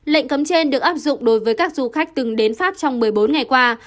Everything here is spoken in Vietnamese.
lệnh cấm trên được áp dụng đối với các du khách từng đến pháp trong một mươi bốn ngày qua